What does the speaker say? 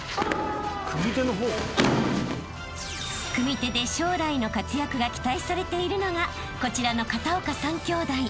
［組手で将来の活躍が期待されているのがこちらの片岡３きょうだい］